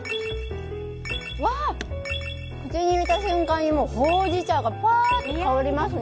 口に入れた瞬間にほうじ茶がぱーっと香りますね。